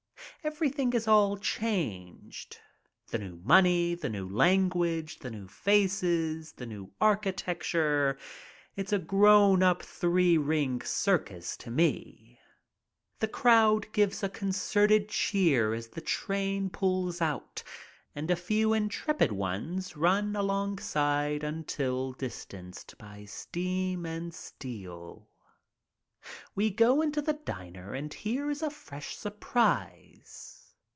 Everything is all changed. The new money, the new lan guage, the new faces, the new architecture — it's a grown ap three ring circus to me. The crowd gives a concerted cheef OFF TO FRANCE 105 as the train pulls out and a few intrepid ones run alongside until distanced by steam and steel. We go into the diner and here is a fresh surprise.